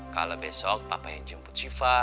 kalo besok papa yang jemput syifa